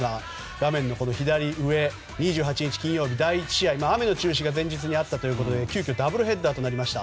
画面左上、２８日金曜日第１試合、雨の中止が前日にあったということで急きょダブルヘッダーとなりました。